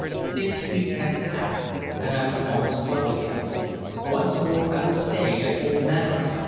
Six weeks had passed, and I was almost well again. Once more I was staying at Holt Manor.